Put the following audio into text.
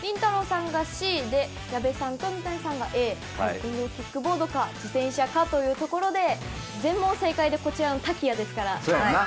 さんがＣで矢部さんと三谷さんがＡ電動キックボードか自転車かということで全問正解でこちらのタキヤですから。